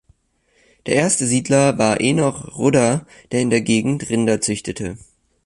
Der erste Siedler war Enoch Rudder, der in der Gegend Rinder züchtete.